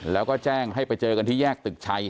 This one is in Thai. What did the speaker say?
แล้วก็แจ้งให้ไปเจอกันที่แยกตึกชัย